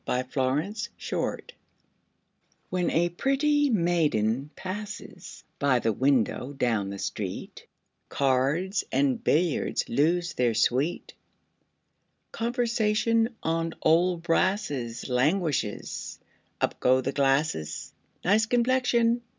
W X . Y Z At the Club When a pretty maiden passes By the window down the street, Cards and billiards lose their sweet; Conversation on old brasses Languishes; up go the glasses: "Nice complexion!"